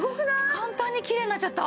簡単にきれいになっちゃった。